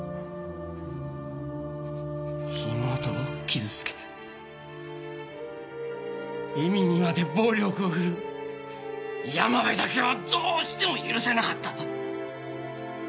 妹を傷つけ恵美にまで暴力をふるう山辺だけはどうしても許せなかった。